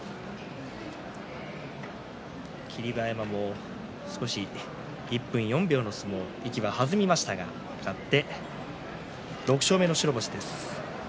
霧馬山も少し１分４秒の相撲息が弾みましたが勝って６勝目の白星です。